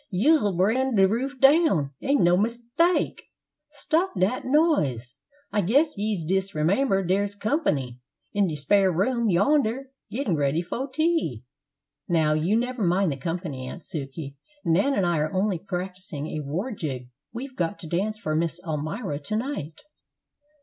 yous'll bring de roof down, an' no mistake! Stop dat noise! I guess yese disremember dere's comp'ny in de spare room yonder, gettin' ready fo' tea." "Now you never mind the company, Aunt Sukey. Nan and I are only practicing a war jig we've got to dance for Miss Almira to night."